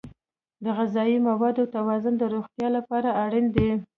د غذایي موادو توازن د روغتیا لپاره اړین دی.